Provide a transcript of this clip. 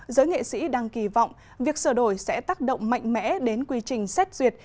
giới nghệ sĩ đang kỳ vọng việc sửa đổi sẽ tác động mạnh mẽ đến quy trình xét duyệt